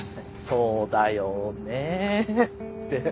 そうだよねって。